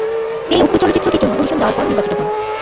তিনি উক্ত চলচ্চিত্রটির জন্য অডিশন দেওয়ার পর নির্বাচিত হন।